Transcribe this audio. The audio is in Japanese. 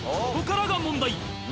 ここからが問題